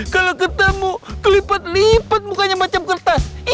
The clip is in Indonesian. kalau ketemu kelipet lipet mukanya macam kertas